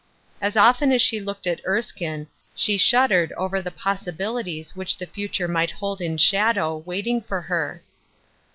As often as she looked at Erskine, she shuddered over the possibilities which the future might hold in shadow, waiting for her.